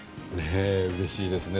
うれしいですね。